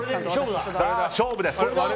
さあ、勝負です。